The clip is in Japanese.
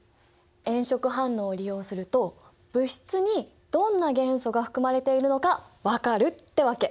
炎色反応を利用すると物質にどんな元素が含まれているのか分かるってわけ！